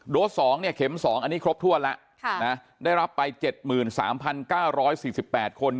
๒เนี่ยเข็ม๒อันนี้ครบถ้วนแล้วได้รับไป๗๓๙๔๘คน